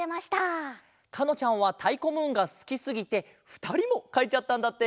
かのちゃんはたいこムーンがすきすぎてふたりもかいちゃったんだって。